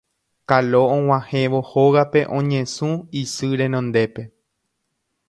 Kalo og̃uahẽvo hógape oñesũ isy renondépe